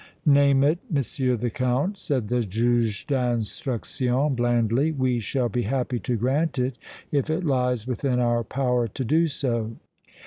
"Name it, M. the Count," said the Juge d' Instruction, blandly. "We shall be happy to grant it if it lies within our power to do so."